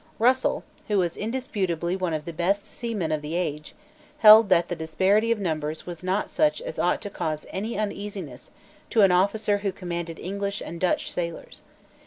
Russell, who was indisputably one of the best seamen of the age, held that the disparity of numbers was not such as ought to cause any uneasiness to an officer who commanded English and Dutch sailors.